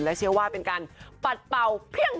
และเชื่อว่าเป็นการปัดเป่าเพียง